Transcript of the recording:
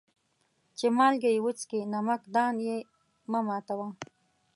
چي مالگه يې وڅکې ، نمک دان يې مه ماتوه.